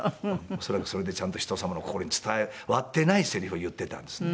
恐らくそれでちゃんと人様の心に伝わってないセリフを言ってたんですね。